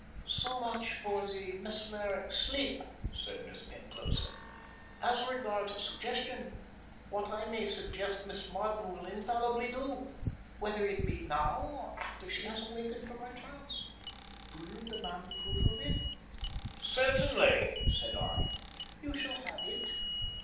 "So much for the mesmeric sleep," said Miss Penclosa. "As regards suggestion, whatever I may suggest Miss Marden will infallibly do, whether it be now or after she has awakened from her trance. Do you demand proof of it?" "Certainly," said I. "You shall have it."